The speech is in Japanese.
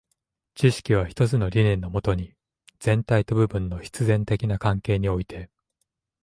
知識は一つの理念のもとに、全体と部分の必然的な関係において、